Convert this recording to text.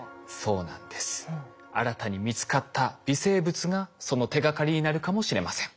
新たに見つかった微生物がその手がかりになるかもしれません。